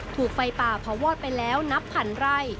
ถูกไฟป่าเผาวอดไปแล้วนับพันไร่